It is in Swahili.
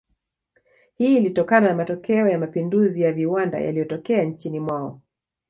Hii ilitokana na matokeo ya mapinduzi ya viwanda yaliyotokea nchini mwao